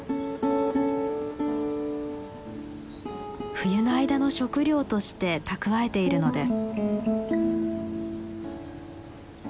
冬の間の食料として蓄えているのです。